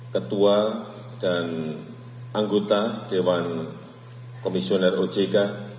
ketua dan anggota dewan komisioner ojk